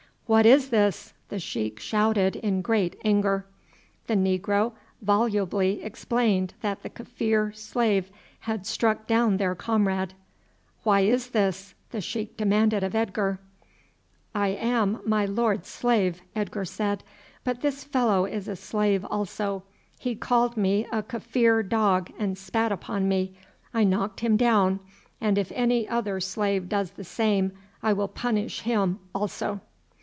"What is this?" the sheik shouted in great anger. The negro volubly explained that the Kaffir slave had struck down their comrade. "Why is this?" the sheik demanded of Edgar. "I am my lord's slave," Edgar said; "but this fellow is a slave also. He called me a Kaffir dog and spat upon me. I knocked him down; and if any other slave does the same I will punish him also."